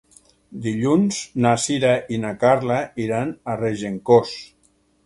Dilluns na Sira i na Carla iran a Regencós.